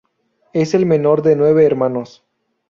Es el menor de nueve hermanos.